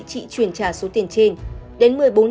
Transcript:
chị chuyển trả số tiền trên